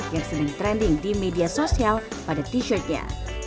yang sering trending di media sosial pada t shirtnya